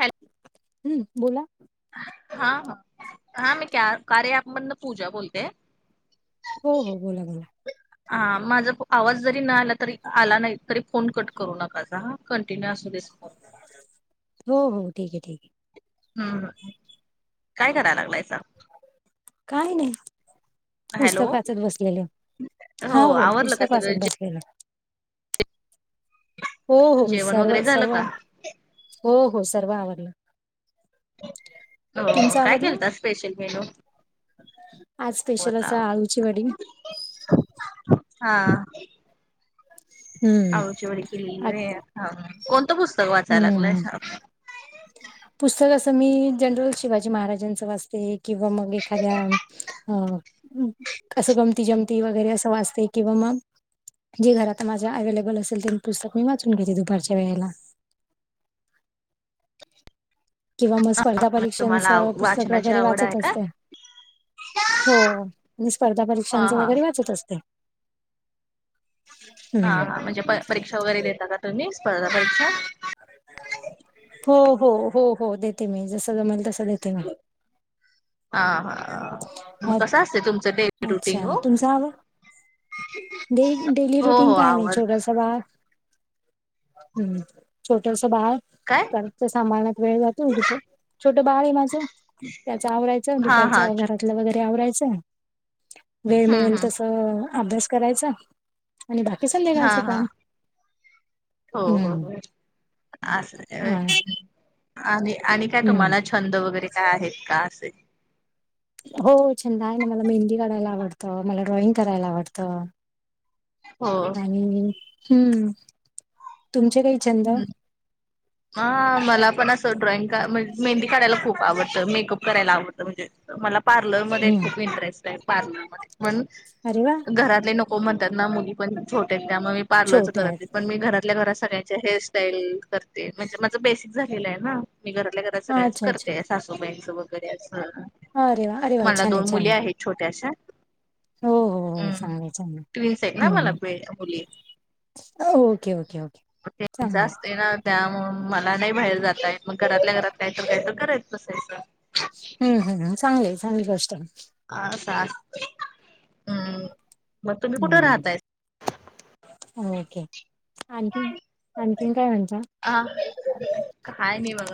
Hello हम्म बोला हा हा, हा मी कॅ कार्या अँप मधनं पूजा बोलते. हो हो बोला बोला. [unintelligible] हा माझा आवाज जरी न आला तरी आला नाही, तरी फोन कट करू नकासा हा कंटिन्यू असू देच फोन. हो हो, ठीक आहे ठीक आहे. हम्, काय कराय लागलायसा? काय नाही, हॅलो पुस्तक वाचत बसलेले, हो हो आवरलं का पुस्तक सगळं वाचत जे बस [unintelligible] हो हो, जेवण वगैरे सर्व झालं सर्व, का? हो हो सर्व आवरलंय. हो हो, काय केलता स्पेशल मेनू? आज स्पेशल आवरलं असं आवरलं आळूची वडी. हा हम्म आळूची वडी केलेली होय, कोणतं पुस्तक वाचाय हम्म लागलायसा? पुस्तक असं मी, जनरल शिवाजी महाराजांचं वाचते किंवा मग एखाद्या अ हम्म, असं गमती जमती वगैरे असं वाचते किंवा मग जे घरात माझ्या अवेहेलेबल असेल, ते पुस्तक मी वाचून घेते दुपारच्या वेळेला. [inaudible] किंवा मग स्पर्धा परीक्षांच तुम्हाला आव पुस्तक वाचनाची वगैरे आवड आहे वाचत का? असते. हो, मी स्पर्धा हा परीक्षांच हा वगैरे वाचत असते. [unintelligible] हा हा, म्हणजे प परीक्षा वगैरे देेता का तुम्ही, स्पर्धा परीक्षा? हो हो हो हो, देते मी जसं जमेल तसं देते मी. हा हा, मग अ कसं असतंय तुमचं डेली अच्छा रुटीन ओ? तुमचा डे डेली रुटीन हो काय नाही, आवड छोटसं बाळ हम्म छोटसं बाळ काय घरातलं सांभाळण्यात वेळ जातो, त छोटं बाळ आहे माझं. त्याचं आवरायचं, हा हा दुपारचं घरा ल वगैरे आवरायचं, वेळ हम्म मिळेल हम्म तसं अभ्यास करायचा आणि बाकी हा संध्याकाळचं हा काम. हो हो हम्म हो, असं आहे होय, हा आणि आणि काय हम्म तुम्हाला छ छंद वगैरे काय आहेत का असे? हो छंद आहे ना, मला मेहंदी काढायला आवडतं, मला ड्रॉइंग करायला आवडतं. हो आणि हम्म, तुमचे काही छंद हम्म हा मला पण असं ड्रॉइंग का, म्हणजे मेंदी काढायला खूप आवडतं, मेकअप करायला आवडतं म्हणजे मला पार्लरमध्ये हम्म खूप इंटरेस्ट आहे, पार्लरमध्ये पण अरे वा! घरातले नको म्हणतात ना, मुली पण छोटे आहेत त्यामुळं मी पार्लरच छोटे करत नाही, आहेत पण मी घरातल्या घरात सगळ्यां चे हेअरस्टाईल करते, म्हणजे माझं बेसिक झालेलं आहे ना, मी घरातल्या घरात सगळ्यांच अच्छा अच्छा करते, सा बाईंच, वगैरे असं अरे वा अरे वा मला छान आहे दोन छान मुली आहे आहेत छोट्याशा. हो हो हो, हम्म चांगलंय चांगलंय ट्विन्स आहेत ना मला हम्म मुली ओके ओके ओके. त्यांच चांगलं आहे असते ना, त्यामुळं मला नाही बाहेर जाता येत, मग घरातल्या घरात काही तर काही तर कराय बसायचं. हम्म हम्, चांगलंय चांगली गोष्ट अ आता हम् हम्म ओके आणखीन आणखीन काय म्हणत? अ काय मी बघ.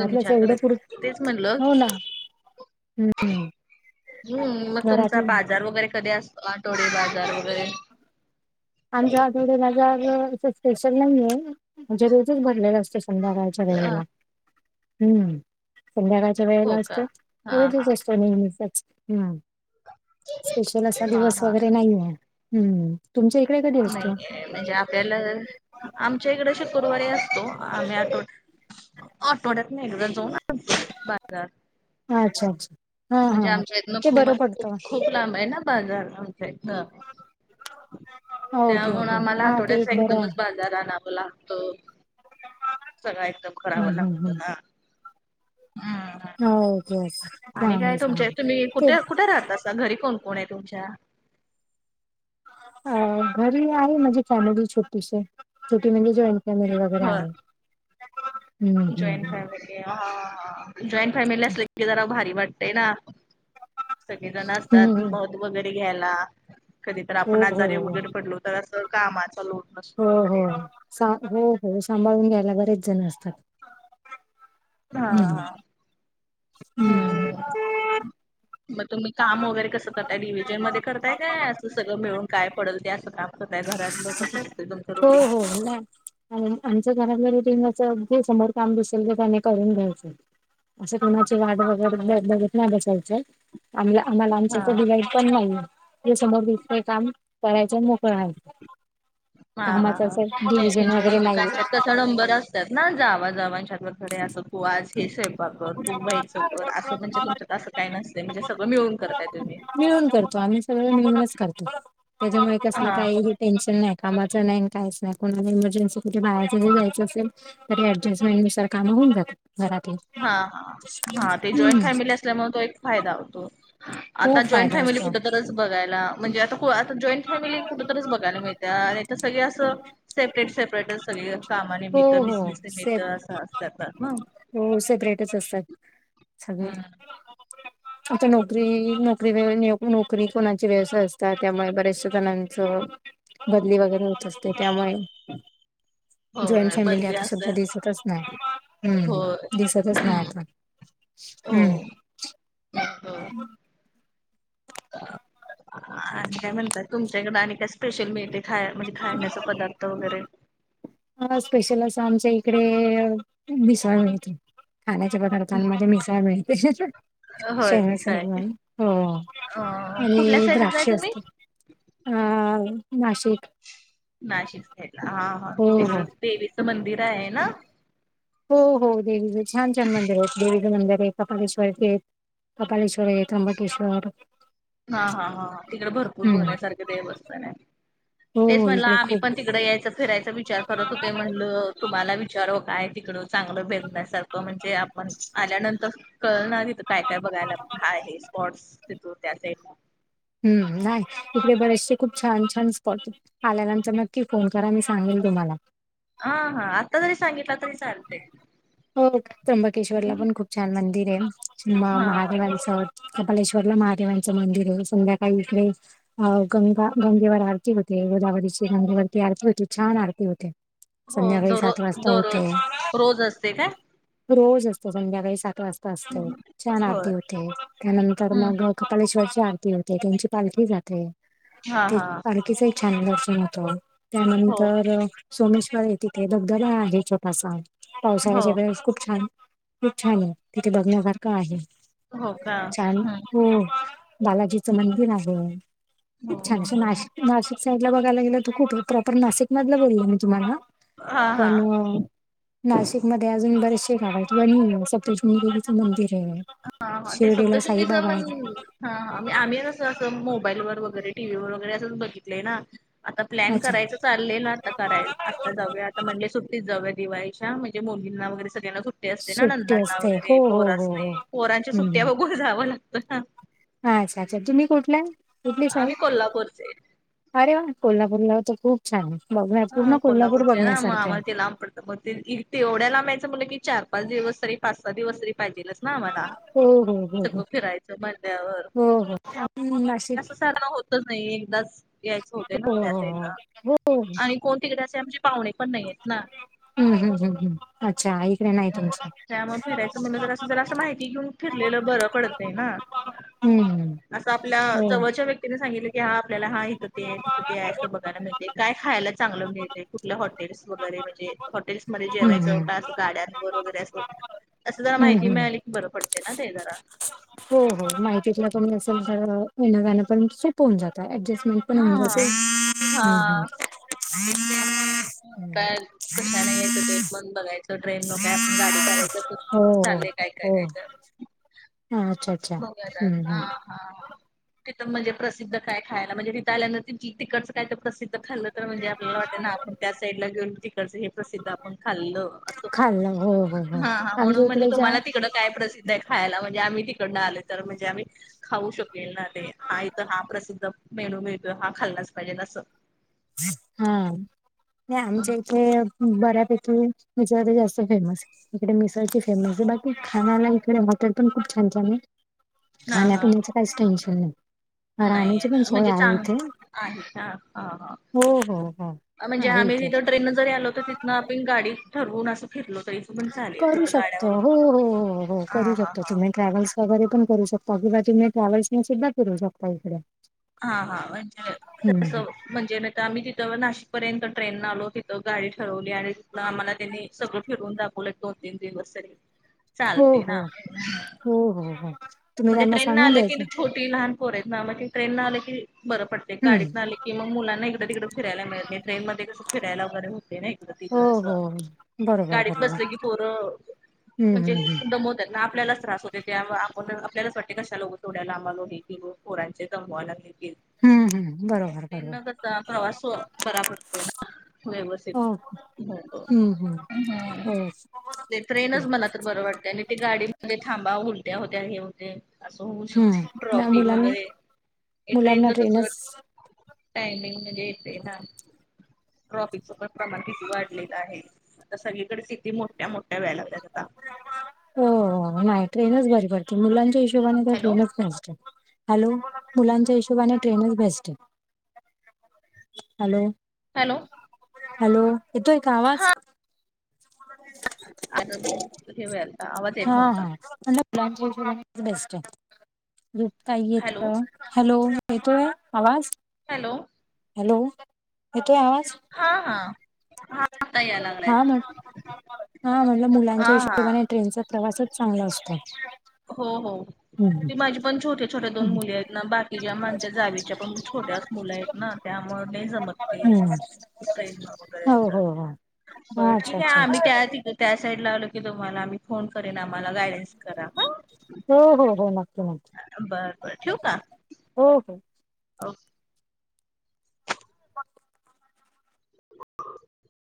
तुम्ही एवढं छानकडे पुर तेच म्हणलं हो ना [unintelligible] हम्म हम्म मग तुमचा घरातलं बाजार वगैरे कधी असतो? आठोडे बाजार वगैरे आमच्या आठवडे बाजार असं स्पेशल नाहीये म्हणजे रोजच भरलेलं स्टेशन. संध्याकाळच्या अ वेळेला हम्म संध्याकाळच्या वेळेला हो का असतो. हा हा नेहमी ह स्पेशल असा हा दिवस हा वगैरे नाही आहे. हम्म तुमच्या नाही म्हणजे आपल्याला आमच्या इकडे शुकुरवारीे असतो आम्ही आठो आठवड्यातनं नाही एकदा जाऊ ना आ बाजार. अच्छा अच्छा. हा म्हणजे हा आमच्या इथनं ते खूम बरं पडतं खूप लांब आहे ना बाजार आमचा इथंन ओके त्यामुळ ओके आम्हाला हा ते आठवड्याचा एक बरं आहे. एकदमच बाजार आणावं लागतं सगळ एकदम. करावं हम्म हम्म लागत हम्म ना. हम्म ओके ओके आणि चांगलं काय तुमच्या चांगलं. तुम्ही ते कुठे कुठे राहत असा घरी कोण कोण आहे तुमच्या? अ घरी आहे माझी फॅमिली छोटीशी छोटी म्हणजे जॉईंट फॅमिली वगैरे होय आहे. त्या [unintelligible] जॉईंट फॅमिली जॉईंट फॅमिली असले क जरा भारी वाटते. ते ना सगळेजण असतात हम्म मध वगैरे घ्यायला. कधी तर आपण हो हो आजारीे हो. उगर पडलो तर असं कामाचा लोट हो नसतो हो वगैरे हो हो सांभाळून घ्यायला बरेच जण असतात. हा हम्म हा हम्म हम्म मग तुम्ही काम वगैरे कसं करताय डिव्हिजनमध्ये करताय काय असं सगळं मिळून काय पडल ते असं काम? त्या घरातलं कसं असत तुमच्यां हो हो रुटीन? ना. आणि आमच्या घरातल्या रिटिंगचं अगदी समोर काम दिसेल तर त्यानी करून घ्यायचं. असे कोणाची गाड वगैरे बघत नाही ब चलच्या आमला आम्हाला हा. आमच्याचा डिवाईड पण नाहीय समोर दस काम करायच मोक प हा आमाच डिव्हजन वगैरे नाहीये. नबर असतात ना जावा जाच्यात डे असं तू आज हे स्वयंपाक करर तू व्हायचं घ असं म्हणजे तुमच्यात असं काय नसत? मिळून करतो आम्ही सगळं मिळूनच करतो. त्याच्यामुळे कसलं हा काही टेन्शन नाही कामाचं नाही काहीच नाही कोणाला एमर्जन्सी कुठे बाहेर जरी जायचं असेल तरी ऍडजस्टंटनुसार कामं होऊन जात घरातील. हा हा हा ते जॉईंट फॅमिली असल्यामुळे तो एक फायदा होतो. आता खूप जॉईंट फायदा फॅमिली होतो कुठंतरीच बघयला म्हणजे आता आता जॉईंट फॅमिली कुठंतरीच बघायला मिळतेत. त्या आणि तर सगळे असं सेपरेट सेपरेट सगळे हो कामानेमितत हो बिझनेस निमितत सेफ असं. [unintelligible] हो सेब्रेटच असतात सगळे. ह आता नोकरी नोकरी, नोकरी कोणाची व्यवसाय असतात त्यामुळे बऱ्याचश जणांचं बदली वगैरे होत असते त्यामुळे जॉईंट होय फॅमिली बदली आता सुद्धा असतात दिसतच नाही. हम्म होय दिसतच हम्म नाही हम्म हो. म आणि काय म्हणतात तुमच्याकडे आणि काय स्पेशल मिळतंय? खाय म्हणजे खायण्याचे पदार्थ वगैरे? ह स्पेशल असं आमच्या इकडे मिसळ. खाण्याच्या पदार्थांमध्ये मिसळ मिळते. शेजवान होय मिसळ [unintelligible] एक ना आहे. हो अ कुठल्या आणि साईडला आहे द्राक्ष तुम्ही? असतात. हा नाशिक. नाशिक साईडला हा हा हो हो तिकडं देवीचं मंदिर आहे ना? हो हो देवीचे छान छान मंदिर आहेत, देवीचें मंदिर आहे कपालेश्वर कपालेश्वर ये, त्र्यंबकेश्वर हा हा हा तिकडे भरपूर हम्म बघण्यासारखे देवस्थान आहे. तेच हो म्हटलं इकडे आम्ही खूप पण तिकडे यायचं फिरायचा विचार करत होते म्हणलं, तुम्हाला विचाराव काय तिकडं चांगलं बघण्यासारखं त म्हणजे आपण आल्यानंतर कळ ना तिथं काय काय बघायला हा आहे स्पॉट्स तिथून. त्याच हम्म नाही इकडे बरेचसे खूप छान छान स्पॉट आल्यानंतर नक्की फोन करा, मी सांगेल तुम्हाला. हा हा आत्ता जरी सांगितल तरी चालतय. हो त्र्यंबकेश्वर ला पण खूप छान मंदिर आहे हा हा महादेवालीस. कपालेश्वरला महादेवांचं मंदिर आहे, संध्याकाळी इकडे अ गंगा गंगेवर आरती होते, गोदावरीची गंगेवरती आरती होती, छान आरती होते. हो संध्याकाळी दरो सात वाजता होत. दररोज रोज असते काय? रोज असतो संध्याकाळी सात वाजता असतो, छान होय आरती होते त्यानंतर हम्म मग कपालेश्वरची आरती होते, त्यांची पालखी जाते हा ते हा पालखीसहित छान दर्शन होत, हो त्यानंतर सोमेश्वरवर आहे तिथे धबधबा आहे छोटासा. हो पावसाळ्याच्या वेळेस खूप छान, खूप छान आहे तिथे बघण्यासारखं आहे. हो का छान हम्म हो बालाजीचं मंदिर आहे. खूप छान ह. नाशिक नाशिक साईड ला बघायला गेलं तर कुठ प्रॉपर नाशिक मधला बोलला मी तुम्हाला हा हा पण नाशिक मध्ये अजून बरेचशे गाव आहेत, सप्तश्रुंगी देवीचं मंदिर आहे. हा हा ते शिर्डीला सप्तशृंगीच साईबाबा पण आहे. हा हा मि आम्हीच असंचं मोबाईल व वगैरे टीव्ही वर वगैरे असंच बघितलंय ना. आता प्लॅन अच्छा करायचं चालले ना आता करायला आता जाऊया, आता म्हणले सुट्टीत जाऊया दिवाळीच्या, म्हणजे मुलींना वगैरे सगळ्यांना सुट्ट असते ना सुट्टी नंदांना असते हो वगैरे हो पोर हो असते हो पोरांच्या सुट्ट्या हम्म बघून जावं लागतं ना. अच्छा अच्छा तुम्ही कुठल्या, कुठले साइड? आम्ही कोल्हापूरचे अरे वा कोल्हापूरला तर खूप छान, बघ हा पूर्ण कोल्हापूर कोल्हापूरचे ना मग बघण्यासारखं आहे. आम्हाला ते लांब पडतं मग ते तेवढ्या लांबायचं मुलं की, चार पाच दिवस तरी पाच सहा दिवस तरी पाहिजेलच ना आम्हाला. हो हो हो सगळं फिरायचं म्हणल्यावर हो हो हो आपण ते नाशिक असं जाण होत नाही, एकदा याययचं होते ना हो हो त्यावेळेला हो. कोनीतिकडे असे म्हमजे पाहुणे पण नाही आहेत ना. हम्म हम् हम्म हम् अच्छा ईकडे नाही तुमच्या. त्यामुळे फिरायचं म्हणलं तर असं जरा असं माहिती घेऊन फिरलेलं बर पडत आहे ना, हम्म असं आपल्या हो जवळच्या व्यक्ती सांगितलं क हा आपल्याला हा इथं ते तथं ते आहे असं बघायला मिळते काय खायला चांगलं मिळते कुठल्या हॉटेल्स वगैरे म्हणजे हॉटेल्समध्येध्ये हम्म हम्म जेवायचं काय? गाड्यांवर वगैरे अस असं जरा हम्म माहिती हम्म मिळाली की बरं पडते ना ते जरा हो हो माहितील कोणी असेल तर येन जाण पण सोपं होऊन जात, ऍडजस्टमेंट पण होऊन हा जाते. हा ते ट्रेन ने यायचं का, हम्म कशा ने यायचं ते? मण बघायचं ट्रेन मग काय आपण गाडी काढायच तर हो हो चाललेय काय काय हो काय काय अच्छा. अच्छा बघयात हम्म ह, हम्म हा तिथ म्हणजे प्रसिद्ध काय खायला म्हणजे तिथ आल्यानर तची तट, का तर प्रसिद्ध खाल्लं तर म्हणजे आपल्याला वाट ना आपण त्या साईड ला घेऊन. प्रसिद् आपण खाल् अस खाल्लं हो हो हो म्हणून आमच्या म्हण इकडे ज्या तुम्हाला तिकड, काय प्रसिद्ध आहे खायला म्हणजे आम्ही तिकडन आलो तर म्हणजे आम्ही, खाऊ शकेल ना ते हा इथं हा प्रसिद्ध मेनू मिळतोय हा खाल्लाच पाहिजे अससं, हा नाही आमच्या ते बऱ्यापैकी त्याच्यामध्ये जास्त फेमस इकडे मिसळची फेमस आहे बाकी खाण्याला इकडे हॉटेल पण खूप छान छान आहे हा हा खाण्यापिण्याच काहीच टेन्शन नाही राहण्याची पण सोय आहे इथे आहेछ हा हा हो हो हो म्हणजे आहे आम्ही इथे तिथ ट्रेन न जरी आलो होत तिथ न आपण गाडी ठरवून असं फिरलो तरी पण चालेल करू तिथं गाड्या शकत वगैरे हो हो हो हो हा करू हा शकतो हा तुम्ही ट्रॅव्हल्स, वगैरे पण करू शकता किंवा तुम्ही ट्रॅव्हल्स सुद्धा करू शकता इकडे, हा हा म्हणजे तस, हम्म म्हणजे नाही तर आम्ही तिथं नाशिकपर्यंत ट्रेन आलो तिथं गाडी ठरवली आणि तिथं आम्हाला त्यांनी, सगळं फिरून दाखवलं एक दोन तीन दिवस तरी हो चालते ना हो हो हो हो तुम्ही त्यांना सांगून द्यायचं ती लहान पोर आहेत ना ट्रन न आलं की बरं पडत ते हम्म गाडीत आले कीग मुलाना एकदां तिकड फिरायला मिळत नाही ट्रेन म कस फिरायला वगैरे होते नाही हो हो त हो. बरोबर गाडीत बरोबर बसलं की पोर हम्म म्हणजे हम्म हम्म दमत त्यांना आपल्यालाच त्रास होते त्या आपण आपल्यालाच वाटते कशाो तोडाला आम्हालाो खोरांचे जमवाव लागले हम्म हम ट्रेन न प्रवास बरा पडतोय ना व व्यवथित ओके हो हम्म हम्म ओके ते ट्रेनच मला तर बरं वाटतें आणि ते गाडीमध्ये थांबा उलट्या होत्या हे होते असं होऊ हम्म शकते नाही ट्रॉपी मुलांना वगैरे हे ट्रेन मुलांना जर कस ट्रेनच टामिंग म्हजेत ना ट्रॉपिक स क्रमाण किती वाढलेलं आहे आता सगळीकडे स्िती मोठ्या मोठ्या व्यायला लागतात आता हो नाही ट्रेनच बरी पडते मुलांच्या हिशोबाने तर हॅलो ट्रेनच पते हॅलो मुलांच्या हिशोबाने ट्रेनच भेस्ट आहे हॅलो हॅलो हॅलो येतोय का आवाज आता ठेवला हा हाण बेस्ट आहे गप काही हॅलो येत हॅलो येतोय आवाज हॅलो हॅलो येतो आहे आवाज हा हा हा आता याय लागलाय हा म हा म्हटलं हा मुलांच्या हा हिशोबाने ट्रेनचा प्रवासच चांगला असतो हो हो हम्म ते माझे पण छ होते छोट्या दोन हम्म मुले आहेत ना बाकी ज्या माण जावीच्या पण छोट्याच मुलं आहेत ना त्यामुळे नाही जमतते हम्म ट्रेन हो हो हो वगैरेच बर अच्छा ठीक आहे अच्छा आम्ही अच्छा त्या तिक त्या साईड ला आलो की तुम्हालाम मी फोन करेन आम्हाला गायडन्स करा हा. हो हो हो नक्की नक्की बरं बरं ठेवक का हो हो हो [inaudible] ह